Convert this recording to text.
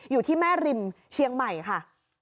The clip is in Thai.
อยู่ที่แม่ริมเชียงใหม่ค่ะ